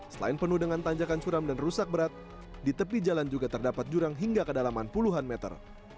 selain penuh dengan tanjakan curam dan rusak berat di tepi jalan juga terdapat jurang hingga kedalaman puluhan meter